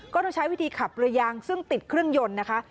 ต้องใช้วิธีขับเรือยางซึ่งติดเครื่องยนต์นะคะ